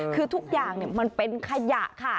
คือทุกอย่างมันเป็นขยะค่ะ